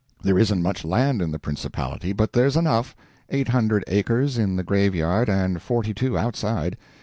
There isn't much land in the principality, but there's enough: eight hundred acres in the graveyard and forty two outside.